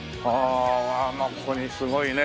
ああここにすごいね。